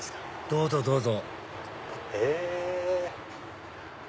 どうぞどうぞ。